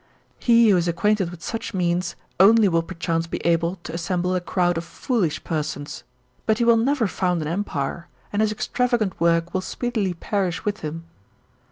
He who is acquainted with such means only will perchance be able to assemble a crowd of foolish persons; but he will never found an empire, and his extravagant work will speedily perish with him.